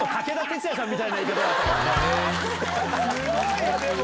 すごいよでも。